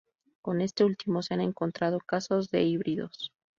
Con este último se han encontrado casos de híbridos.